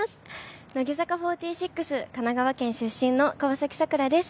乃木坂４６、神奈川県出身の川崎桜です。